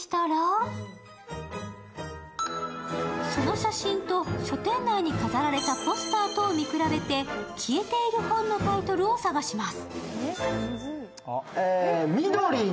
写真と書店内に飾られたポスターとを見比べて消えている本のタイトルを探します。